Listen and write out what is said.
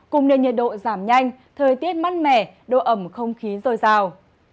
cùng nền nhiệt độ giảm nhanh thời tiết mát mẻ độ ẩm không khí dồi dào